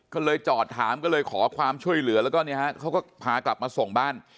ก็เลยจอดถามก็เลยขอความช่วยเหลือแล้วก็เนี่ยฮะเขาก็พากลับมาส่งบ้าน